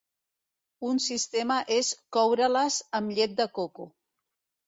Un sistema és coure-les amb llet de coco.